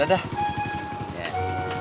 ya udah deh